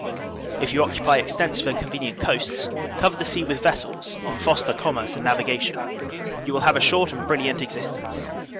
* If you occupy extensive and convenient coasts, cover the sea with vessels and foster commerce and navigation; you will have a short and brilliant existence.